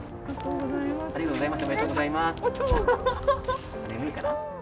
おめでとうございます。